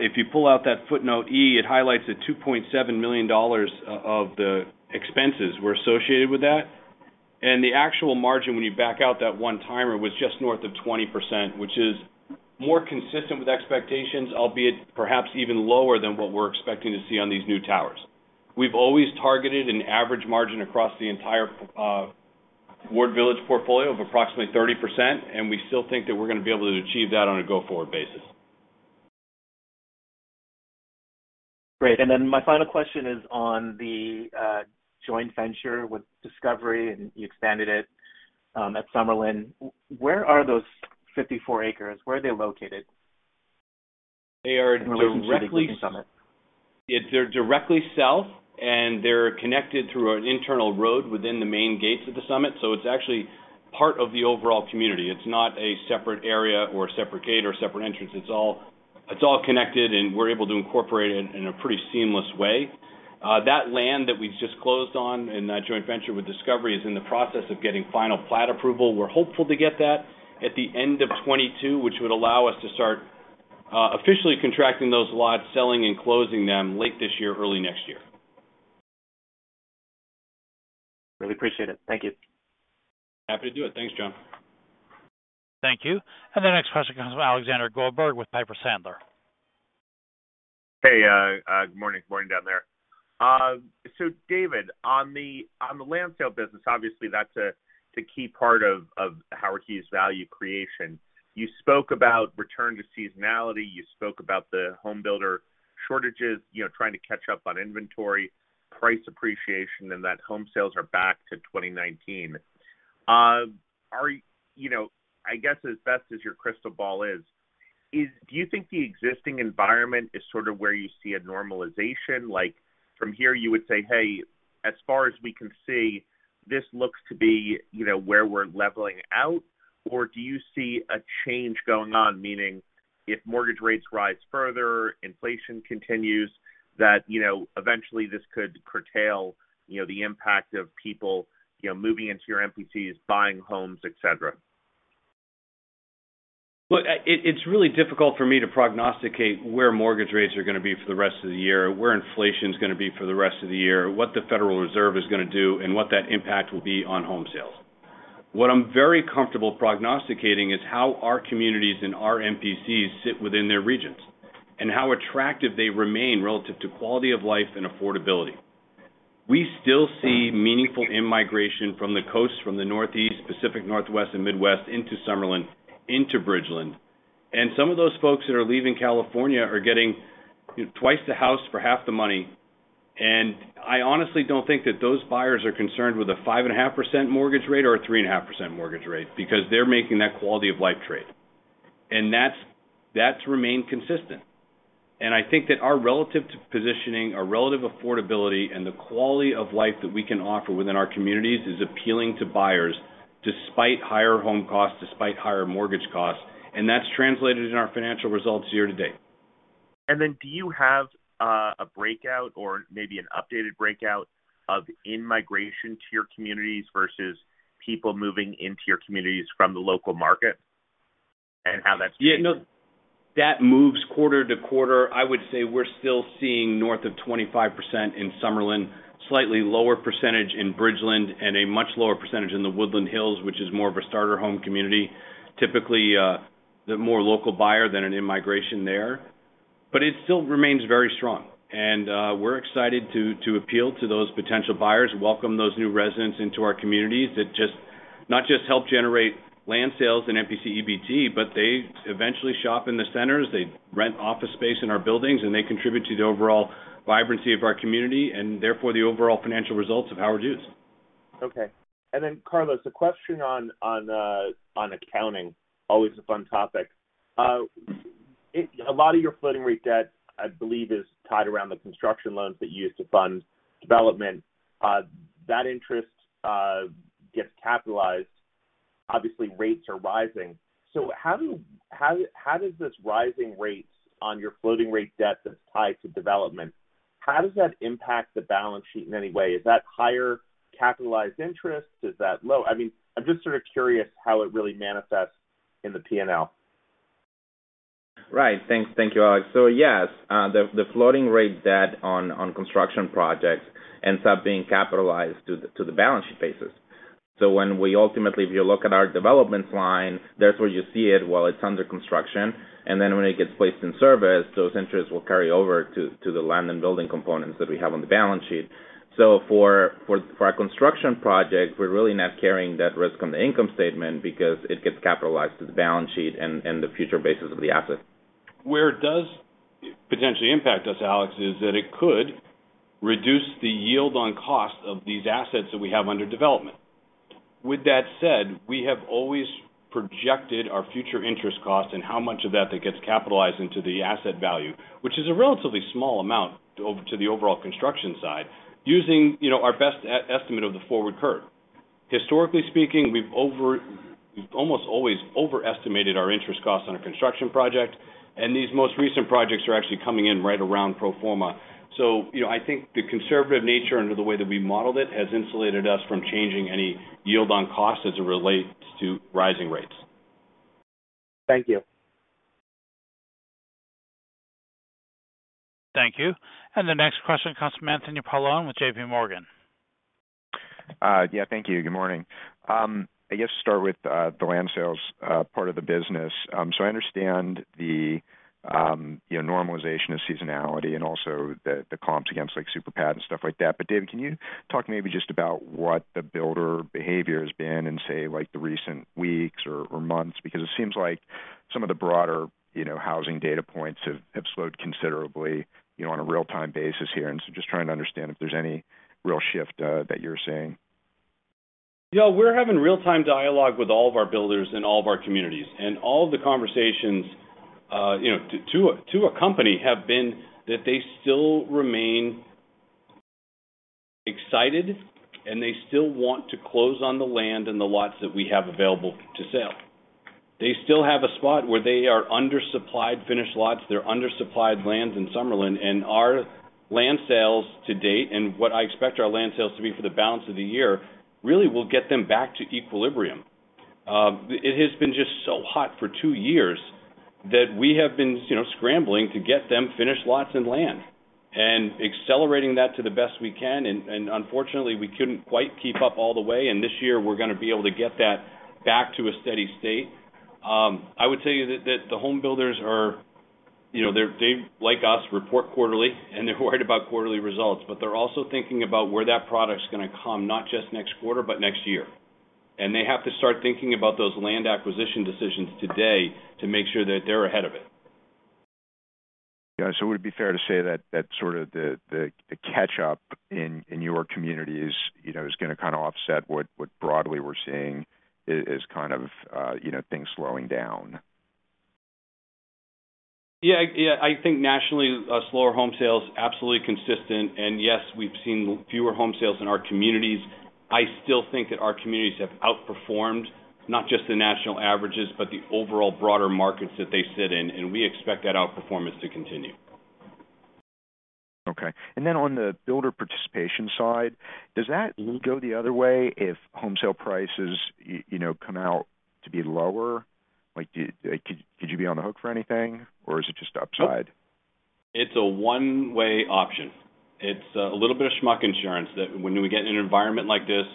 if you pull out that Footnote E, it highlights the $2.7 million of the expenses were associated with that. The actual margin, when you back out that one-timer, was just north of 20%, which is more consistent with expectations, albeit perhaps even lower than what we're expecting to see on these new towers. We've always targeted an average margin across the entire Ward Village portfolio of approximately 30%, and we still think that we're gonna be able to achieve that on a go-forward basis. Great. My final question is on the joint venture with Discovery, and you expanded it at Summerlin. Where are those 54 acres? Where are they located? They are directly. In relation to The Summit. They're directly south, and they're connected through an internal road within the main gates of The Summit, so it's actually part of the overall community. It's not a separate area or a separate gate or a separate entrance. It's all connected, and we're able to incorporate it in a pretty seamless way. That land that we just closed on in that joint venture with Discovery is in the process of getting final plat approval. We're hopeful to get that at the end of 2022, which would allow us to start officially contracting those lots, selling and closing them late this year, early next year. Really appreciate it. Thank you. Happy to do it. Thanks, John. Thank you. The next question comes from Alexander Goldfarb with Piper Sandler. Hey, good morning. Morning down there. David, on the land sale business, obviously that's a key part of Howard Hughes' value creation. You spoke about return to seasonality, you spoke about the home builder shortages, you know, trying to catch up on inventory, price appreciation, and that home sales are back to 2019. You know, I guess as best as your crystal ball is, do you think the existing environment is sort of where you see a normalization? Like, from here you would say, "Hey, as far as we can see, this looks to be, you know, where we're leveling out." Or do you see a change going on? Meaning if mortgage rates rise further, inflation continues, that, you know, eventually this could curtail, you know, the impact of people, you know, moving into your MPCs, buying homes, et cetera. Look, it's really difficult for me to prognosticate where mortgage rates are gonna be for the rest of the year, where inflation's gonna be for the rest of the year, what the Federal Reserve is gonna do, and what that impact will be on home sales. What I'm very comfortable prognosticating is how our communities and our MPCs sit within their regions and how attractive they remain relative to quality of life and affordability. We still see meaningful in-migration from the coasts, from the Northeast, Pacific Northwest, and Midwest into Summerlin, into Bridgeland. Some of those folks that are leaving California are getting, you know, twice the house for half the money, and I honestly don't think that those buyers are concerned with a 5.5% mortgage rate or a 3.5% mortgage rate, because they're making that quality-of-life trade. That's remained consistent. I think that our relative positioning, our relative affordability, and the quality of life that we can offer within our communities is appealing to buyers despite higher home costs, despite higher mortgage costs, and that's translated in our financial results year-to-date. Do you have a breakout or maybe an updated breakout of in-migration to your communities versus people moving into your communities from the local market and how that's? Yeah, no, that moves quarter-to-quarter. I would say we're still seeing north of 25% in Summerlin, slightly lower percentage in Bridgeland, and a much lower percentage in The Woodlands Hills, which is more of a starter home community. Typically, the more local buyer than an in-migration there. But it still remains very strong. We're excited to appeal to those potential buyers, welcome those new residents into our communities that not just help generate land sales in MPC EBT, but they eventually shop in the centers, they rent office space in our buildings, and they contribute to the overall vibrancy of our community, and therefore, the overall financial results of Howard Hughes. Okay. Carlos, a question on accounting. Always a fun topic. A lot of your floating rate debt, I believe, is tied around the construction loans that you use to fund development. That interest gets capitalized. Obviously, rates are rising. How does this rising rates on your floating rate debt that's tied to development impact the balance sheet in any way? Is that higher capitalized interest? Is that low? I mean, I'm just sort of curious how it really manifests in the P&L. Right. Thanks. Thank you, Alex. Yes, the floating rate debt on construction projects ends up being capitalized to the balance sheet basis. When we ultimately, if you look at our development line, there's where you see it while it's under construction, and then when it gets placed in service, those interests will carry over to the land and building components that we have on the balance sheet. For our construction project, we're really not carrying that risk on the income statement because it gets capitalized to the balance sheet and the future basis of the asset. Where it does potentially impact us, Alex, is that it could reduce the yield on cost of these assets that we have under development. With that said, we have always projected our future interest cost and how much of that gets capitalized into the asset value, which is a relatively small amount to the overall construction side, using, you know, our best estimate of the forward curve. Historically speaking, we've almost always overestimated our interest cost on a construction project, and these most recent projects are actually coming in right around pro forma. You know, I think the conservative nature under the way that we modeled it has insulated us from changing any yield on cost as it relates to rising rates. Thank you. Thank you. The next question comes from Anthony Paolone with JPMorgan. Yeah, thank you. Good morning. I guess to start with, the land sales part of the business. I understand the, you know, normalization of seasonality and also the comps against, like, superpad and stuff like that. David, can you talk maybe just about what the builder behavior has been in, say, like, the recent weeks or months? Because it seems like some of the broader, you know, housing data points have slowed considerably, you know, on a real-time basis here. Just trying to understand if there's any real shift that you're seeing. Yeah. We're having real-time dialogue with all of our builders in all of our communities. All the conversations, you know, to a one have been that they still remain excited, and they still want to close on the land and the lots that we have available to sell. They still have a spot where they are undersupplied finished lots, they're undersupplied lands in Summerlin, and our land sales to date and what I expect our land sales to be for the balance of the year really will get them back to equilibrium. It has been just so hot for two years that we have been, you know, scrambling to get them finished lots and land. Accelerating that to the best we can, and unfortunately, we couldn't quite keep up all the way. This year, we're gonna be able to get that back to a steady state. I would tell you that the home builders are, you know, they're, like us, report quarterly, and they're worried about quarterly results. They're also thinking about where that product's gonna come, not just next quarter, but next year. They have to start thinking about those land acquisition decisions today to make sure that they're ahead of it. Yeah. Would it be fair to say that that's sort of the catch up in your communities, you know, is gonna kind of offset what broadly we're seeing is kind of, you know, things slowing down? Yeah. I think nationally, a slower home sales, absolutely consistent. Yes, we've seen fewer home sales in our communities. I still think that our communities have outperformed not just the national averages, but the overall broader markets that they sit in, and we expect that outperformance to continue. Okay. On the builder participation side, does that go the other way if home sale prices, you know, come out to be lower? Like, could you be on the hook for anything, or is it just upside? Nope. It's a one-way option. It's a little bit of schmuck insurance that when we get an environment like this,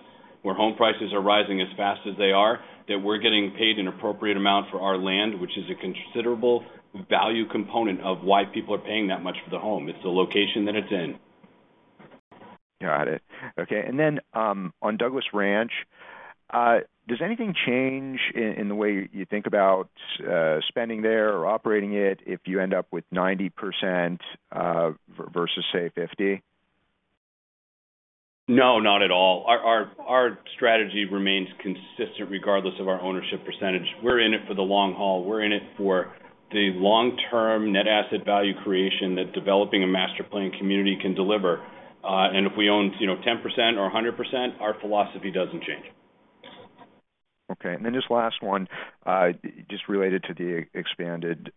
where home prices are rising as fast as they are, that we're getting paid an appropriate amount for our land, which is a considerable value component of why people are paying that much for the home. It's the location that it's in. Got it. Okay. On Douglas Ranch, does anything change in the way you think about spending there or operating it if you end up with 90% versus, say, 50%? No, not at all. Our strategy remains consistent regardless of our ownership percentage. We're in it for the long haul. We're in it for the long-term net asset value creation that developing a master planned community can deliver. If we own, you know, 10% or 100%, our philosophy doesn't change. Okay. Just last one, just related to the expanded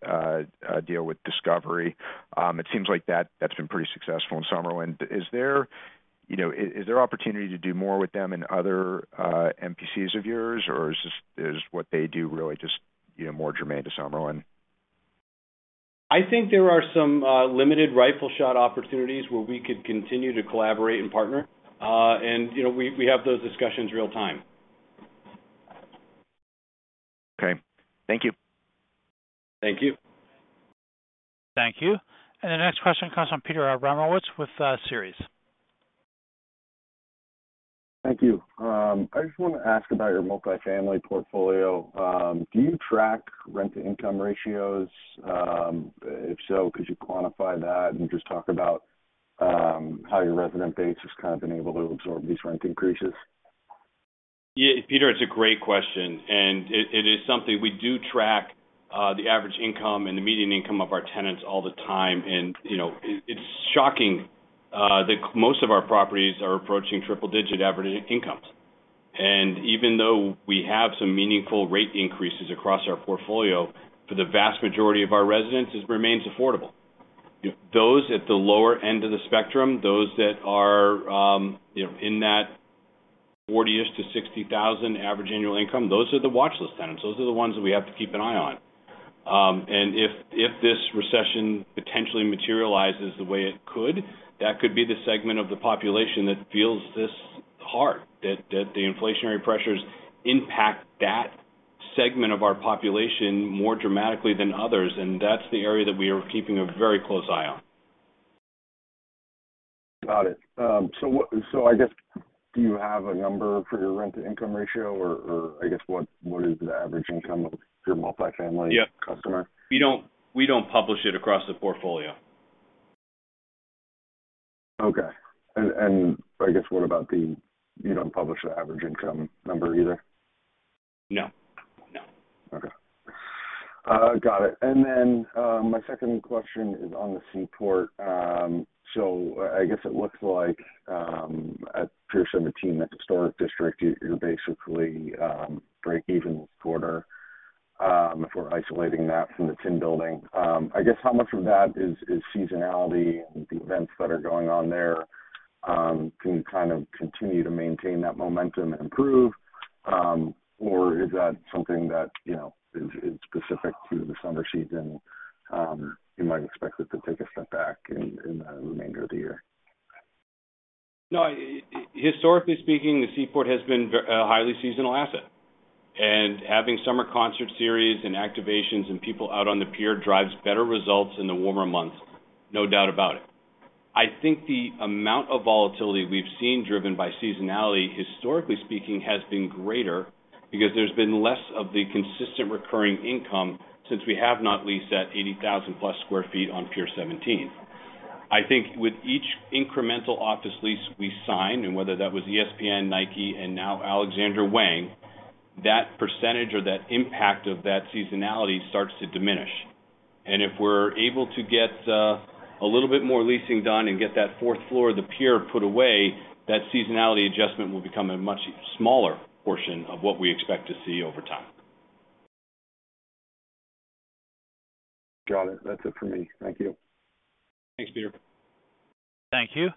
deal with Discovery. It seems like that's been pretty successful in Summerlin. Is there. You know, is there opportunity to do more with them in other MPCs of yours? Or is what they do really just, you know, more germane to Summerlin? I think there are some limited rifle shot opportunities where we could continue to collaborate and partner. You know, we have those discussions real-time. Okay. Thank you. Thank you. Thank you. The next question comes from Peter Abramowitz with Jefferies. Thank you. I just wanna ask about your multifamily portfolio. Do you track rent-to-income ratios? If so, could you quantify that and just talk about how your resident base has kind of been able to absorb these rent increases? Yeah. Peter, it's a great question. It is something we do track, the average income and the median income of our tenants all the time. It's shocking that most of our properties are approaching triple-digit average incomes. Even though we have some meaningful rate increases across our portfolio, for the vast majority of our residents, it remains affordable. Those at the lower end of the spectrum, those that are in that $40,000-$60,000 average annual income, those are the watchlist tenants. Those are the ones that we have to keep an eye on. If this recession potentially materializes the way it could, that could be the segment of the population that feels this hard, that the inflationary pressures impact that segment of our population more dramatically than others, and that's the area that we are keeping a very close eye on. Got it. I guess, do you have a number for your rent-to-income ratio? Or, I guess, what is the average income of your multifamily? Yeah. Customer? We don't publish it across the portfolio. Okay. You don't publish the average income number either? No. No. Okay. Got it. My second question is on the Seaport. I guess it looks like at Pier 17, that historic district, you're basically break-even quarter if we're isolating that from the Tin Building. I guess how much of that is seasonality and the events that are going on there? Can you kind of continue to maintain that momentum and improve? Or is that something that, you know, is specific to the summer season, you might expect it to take a step back in the remainder of the year? No. Historically speaking, the Seaport has been a highly seasonal asset. Having summer concert series and activations and people out on the pier drives better results in the warmer months, no doubt about it. I think the amount of volatility we've seen driven by seasonality, historically speaking, has been greater because there's been less of the consistent recurring income since we have not leased that 80,000+ sq ft on Pier 17. I think with each incremental office lease we sign, and whether that was ESPN, Nike, and now Alexander Wang, that percentage or that impact of that seasonality starts to diminish. If we're able to get a little bit more leasing done and get that fourth floor of the pier put away, that seasonality adjustment will become a much smaller portion of what we expect to see over time. Got it. That's it for me. Thank you. Thanks, Peter. Thank you.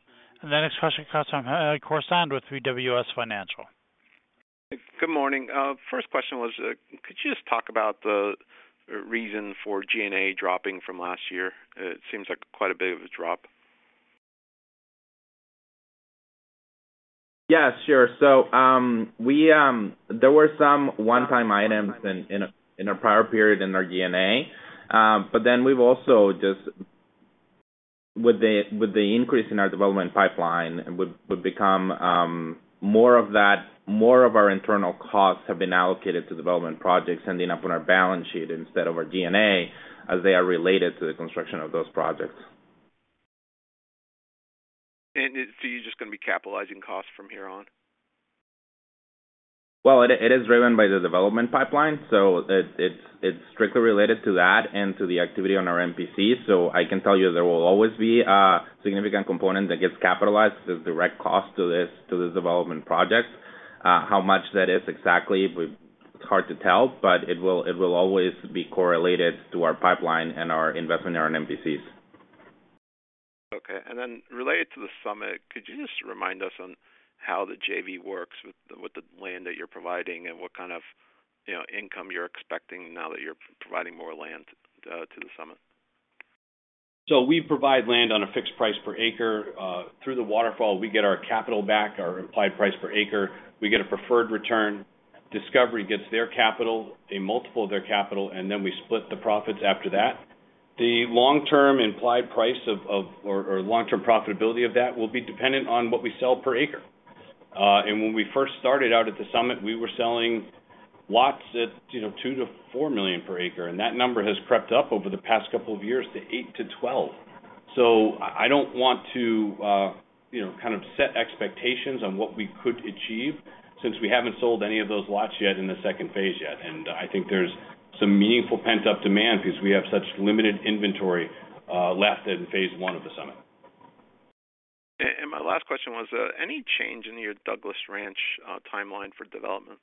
The next question comes from Hamed Khorsand with BWS Financial. Good morning. First question was, could you just talk about the reason for G&A dropping from last year? It seems like quite a bit of a drop. Yes, sure. There were some one-time items in our prior period in our G&A. We've also just, with the increase in our development pipeline, would become more of our internal costs have been allocated to development projects ending up on our balance sheet instead of our G&A as they are related to the construction of those projects. You're just gonna be capitalizing costs from here on? Well, it is driven by the development pipeline, so it's strictly related to that and to the activity on our MPC. I can tell you there will always be a significant component that gets capitalized as direct cost to this, to the development project. How much that is exactly it's hard to tell, but it will always be correlated to our pipeline and our investment in our MPCs. Okay. Related to The Summit, could you just remind us on how the JV works with the land that you're providing and what kind of, you know, income you're expecting now that you're providing more land to The Summit? We provide land on a fixed price per acre. Through the waterfall, we get our capital back, our applied price per acre. We get a preferred return. Discovery gets their capital, a multiple of their capital, and then we split the profits after that. The long-term profitability of that will be dependent on what we sell per acre. When we first started out at The Summit, we were selling lots at, you know, $2 million-$4 million per acre, and that number has crept up over the past couple of years to $8 million-$12 million. I don't want to, you know, kind of set expectations on what we could achieve since we haven't sold any of those lots yet in the second phase. I think there's some meaningful pent-up demand because we have such limited inventory left in Phase 1 of The Summit. My last question was, any change in your Douglas Ranch timeline for development?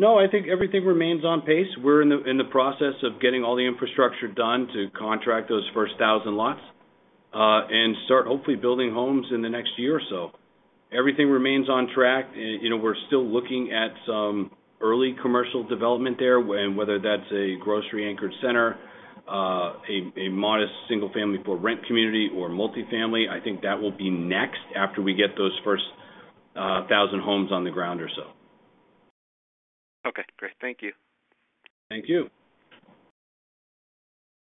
No, I think everything remains on pace. We're in the process of getting all the infrastructure done to contract those first 1,000 lots, and start hopefully building homes in the next year or so. Everything remains on track. You know, we're still looking at some early commercial development there, whether that's a grocery anchored center, a modest single-family for rent community or multifamily. I think that will be next after we get those first 1,000 homes on the ground or so. Okay, great. Thank you. Thank you.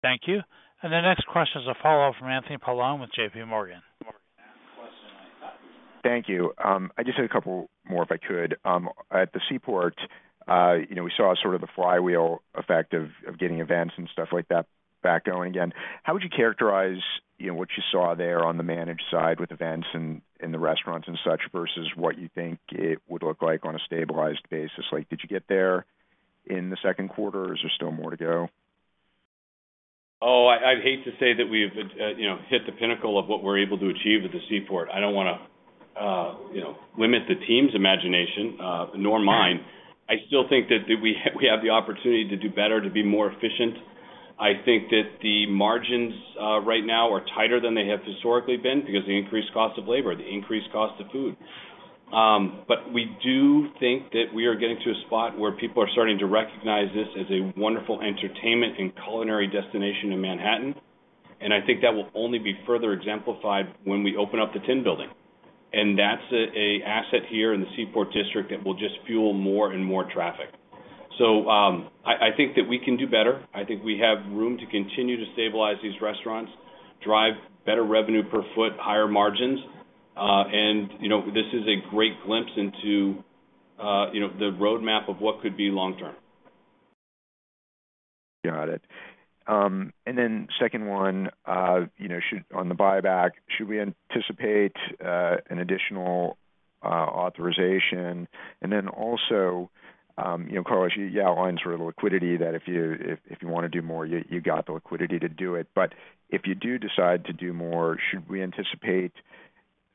Thank you. The next question is a follow-up from Anthony Paolone with JPMorgan. Thank you. I just had a couple more, if I could. At the Seaport, you know, we saw sort of the flywheel effect of getting events and stuff like that back going again. How would you characterize, you know, what you saw there on the managed side with events and the restaurants and such versus what you think it would look like on a stabilized basis? Like, did you get there in the second quarter, or is there still more to go? Oh, I'd hate to say that we've, you know, hit the pinnacle of what we're able to achieve at the Seaport. I don't wanna, you know, limit the team's imagination nor mine. I still think that we have the opportunity to do better, to be more efficient. I think that the margins right now are tighter than they have historically been because the increased cost of labor, the increased cost of food. We do think that we are getting to a spot where people are starting to recognize this as a wonderful entertainment and culinary destination in Manhattan. I think that will only be further exemplified when we open up the Tin Building. That's a asset here in the Seaport district that will just fuel more and more traffic. I think that we can do better. I think we have room to continue to stabilize these restaurants, drive better revenue per foot, higher margins. You know, this is a great glimpse into, you know, the roadmap of what could be long term. Got it. Second one, you know, on the buyback, should we anticipate an additional authorization? You know, Carlos, you outlined sort of the liquidity that if you wanna do more, you got the liquidity to do it. If you do decide to do more, should we anticipate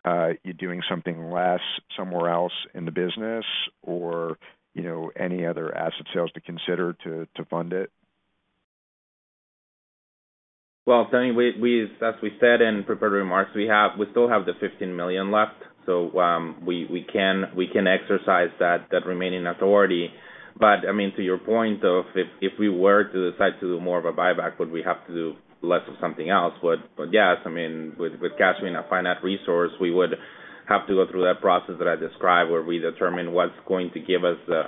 you're doing something less somewhere else in the business or, you know, any other asset sales to consider to fund it? Well, Tony, we as we said in prepared remarks, we still have the $15 million left, so we can exercise that remaining authority. I mean, to your point of if we were to decide to do more of a buyback, would we have to do less of something else? Yes, I mean, with cash being a finite resource, we would have to go through that process that I described where we determine what's going to give us the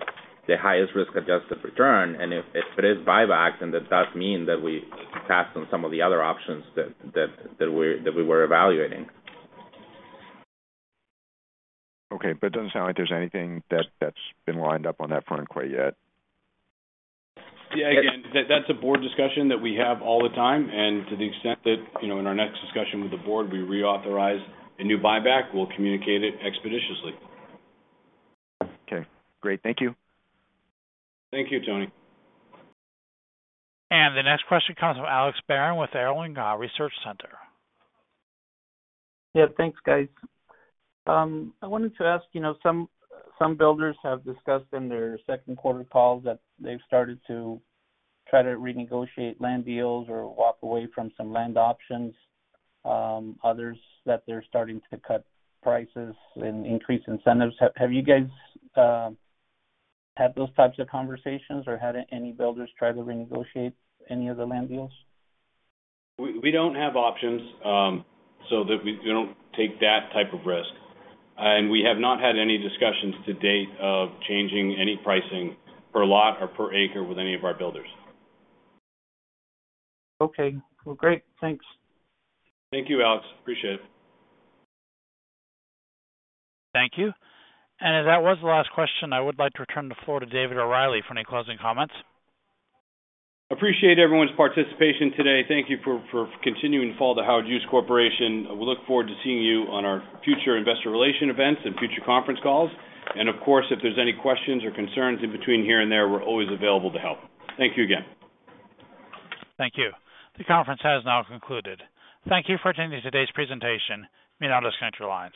highest risk-adjusted return. If it is buyback, then that does mean that we pass on some of the other options that we were evaluating. It doesn't sound like there's anything that's been lined up on that front quite yet. Yeah. Again, that's a board discussion that we have all the time. To the extent that, you know, in our next discussion with the board, we reauthorize a new buyback, we'll communicate it expeditiously. Okay, great. Thank you. Thank you, Tony. The next question comes from Alex Barron with Housing Research Center. Yeah, thanks, guys. I wanted to ask, you know, some builders have discussed in their second quarter calls that they've started to try to renegotiate land deals or walk away from some land options, others that they're starting to cut prices and increase incentives. Have you guys had those types of conversations, or had any builders try to renegotiate any of the land deals? We don't have options, so that we don't take that type of risk. We have not had any discussions to date of changing any pricing per lot or per acre with any of our builders. Okay. Well, great. Thanks. Thank you, Alex. Appreciate it. Thank you. That was the last question. I would like to return the floor to David O'Reilly for any closing comments. Appreciate everyone's participation today. Thank you for continuing to follow The Howard Hughes Corporation. We look forward to seeing you on our future investor relation events and future conference calls. Of course, if there's any questions or concerns in between here and there, we're always available to help. Thank you again. Thank you. The conference has now concluded. Thank you for attending today's presentation. You may now disconnect your lines.